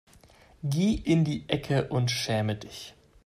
Geh in die Ecke und schäme dich.